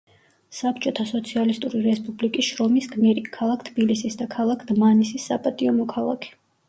საბჭოთა სოციალისტური რესპუბლიკის შრომის გმირი, ქალაქ თბილისის და ქალაქ დმანისის საპატიო მოქალაქე.